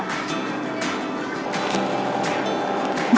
ketiga selalu ada perbandingan harga